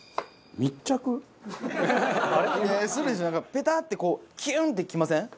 なんかペタッてこうキューンってきません？